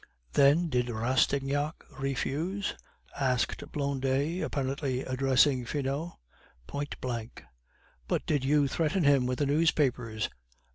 "Then did Rastignac refuse?" asked Blondet, apparently addressing Finot. "Point blank." "But did you threaten him with the newspapers?"